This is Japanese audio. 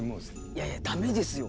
いやいやだめですよ。